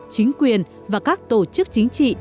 chính quyền và các tổ chức chính trị